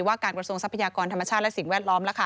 การกระทรวงทรัพยากรธรรมชาติและสิ่งแวดล้อม